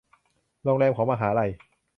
โรงแรมของมหาลัย